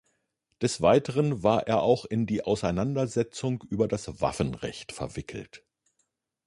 Des Weiteren war er auch in die Auseinandersetzung über das Waffenrecht verwickelt.